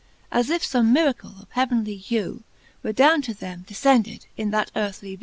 As if fome miracle of heavenly hew Were downe to them defcended in that earthly vew.